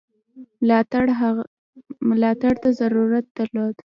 ملاتړ ته ضرورت درلود.